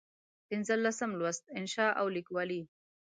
پنځلسم لوست: انشأ او لیکوالي